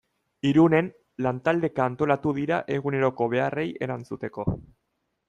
Irunen lantaldeka antolatu dira eguneroko beharrei erantzuteko.